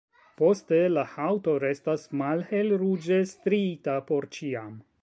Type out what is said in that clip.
Poste la haŭto restas malhelruĝe striita por ĉiam.